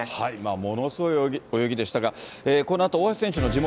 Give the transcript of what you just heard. ものすごい泳ぎでしたが、このあと大橋選手の地元、